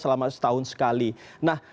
selama setahun sekali nah